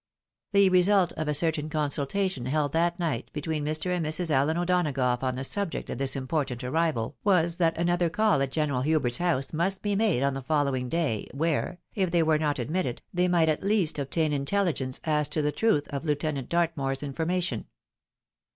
The result of a certain consultation held that night between Mr. and Mrs. AUen O'Donagough on the subject of this impor tant arrival was that another call at General Hubert's hoiise must be made on the following day, where, if they were not admitted, they might at least obtain intelligence as to the truth of Lieutenant Dartmoor's information.